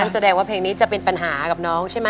แทบจะไม่เคยฟังเลยครับแทบจะไม่เคยฟังเลยครับแทบจะไม่เคยฟังเลยครับ